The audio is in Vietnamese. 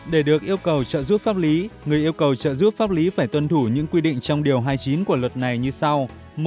để được yêu cầu trợ giúp pháp lý người yêu cầu trợ giúp pháp lý phải tuân thủ những quy định trong điều hai mươi chín của luật này như sau